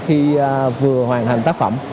khi vừa hoàn thành tác phẩm